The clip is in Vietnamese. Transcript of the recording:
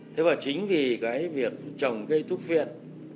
thế mà chính vì việc trồng cây ách túc viện